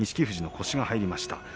富士の腰が入りました。